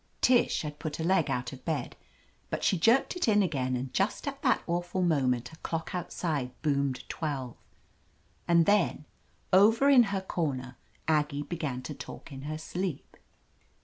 Tish had put a leg out of bed, but she jerked it in again, and just at that awful moment a clock outside boomed twelve. And then, over in her corner, Aggie began to talk in her sleep.